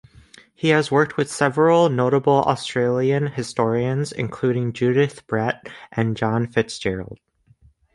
He has worked with several notable Australian historians including Judith Brett and John Fitzgerald.